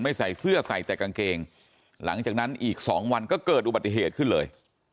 ใส่เสื้อใส่แต่กางเกงหลังจากนั้นอีก๒วันก็เกิดอุบัติเหตุขึ้นเลย